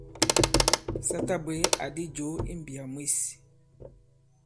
Sa ta bwě àdi jǒ i mbìyà mwes.